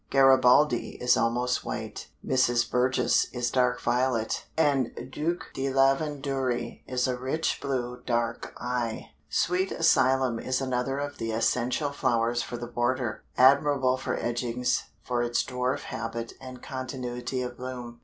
Garibaldi is almost white; Mrs. Burgess is dark violet, and Duc de Lavendury is a rich blue, dark eye. Sweet Alyssum is another of the essential flowers for the border, admirable for edgings, for its dwarf habit and continuity of bloom.